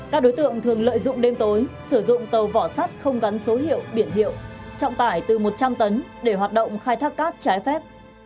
các đối tượng thường lợi dụng đêm tối sử dụng tàu vỏ sắt không gắn số hiệu biển hiệu trọng tải từ một trăm linh tấn để hoạt động khai thác cát trái phép